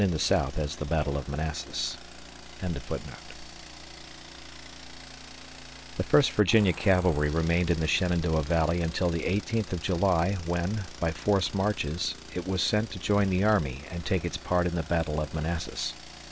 CHAPTER V RECOLLECTIONS OF BATTLE OF MANASSAS THE First Virginia Cavalry remained in the Shenandoah Valley until the eighteenth of July when, by forced marches, it was sent to join the army and take its part in the Battle of Manassas.